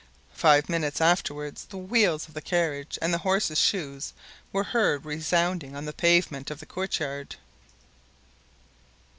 Five minutes afterward the wheels of the carriage and the horses' shoes were heard resounding on the pavement of the courtyard.